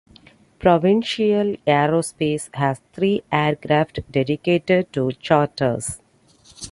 Provincial Aerospace has three aircraft dedicated to charters.